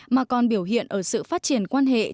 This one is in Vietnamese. mà còn biểu hiện ở sự phát triển quan hệ